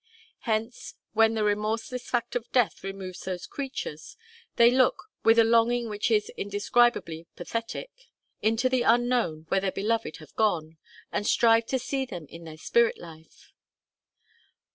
Hence, when the remorseless fact of Death removes those creatures, they look, with a longing which is indescribably pathetic, into the Unknown where their beloved have gone, and strive to see them in their spirit life.